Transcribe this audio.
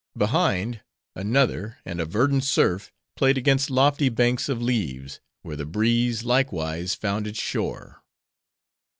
Behind, another, and a verdant surf played against lofty banks of leaves; where the breeze, likewise, found its shore.